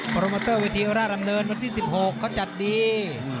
โมเตอร์วิธีราชดำเนินวันที่๑๖เขาจัดดี